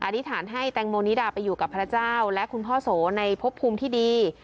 อธิษฐานให้แตงโมนิดาไปอยู่กับพระเจ้าและคุณพ่อโสในพบภูมิที่ดี